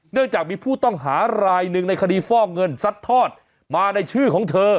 เรื่องจากมีผู้ต้องหารายหนึ่งในคดีฟอกเงินซัดทอดมาในชื่อของเธอ